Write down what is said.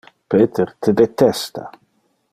Peter te detesta.